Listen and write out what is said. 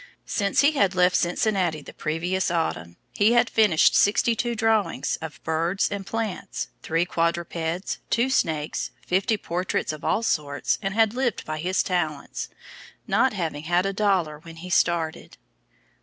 Since he had left Cincinnati the previous autumn, he had finished sixty two drawings of birds and plants, three quadrupeds, two snakes, fifty portraits of all sorts, and had lived by his talents, not having had a dollar when he started.